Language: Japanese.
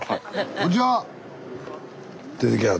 ・こんにちは。